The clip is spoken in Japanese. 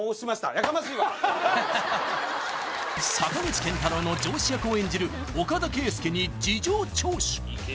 坂口健太郎の上司役を演じる岡田圭右に事情聴取！